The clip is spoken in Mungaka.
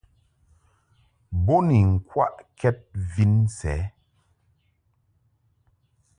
Bo ni ŋkwaʼkɛd vin sɛ.